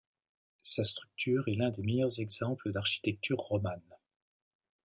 Sa structure est l'un des meilleurs exemples d'architecture romane.